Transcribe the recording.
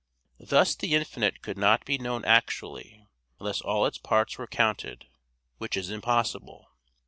Thus the infinite could not be known actually, unless all its parts were counted: which is impossible.